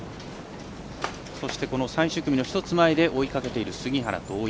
そして、最終組の１つ前で追いかけている杉原と大岩。